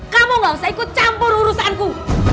kamu gak usah ikut campur urusanku